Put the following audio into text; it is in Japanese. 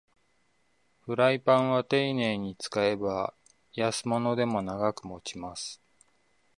フライパンはていねいに使えば安物でも長く持ちます